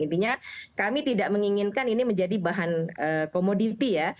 intinya kami tidak menginginkan ini menjadi bahan komoditi ya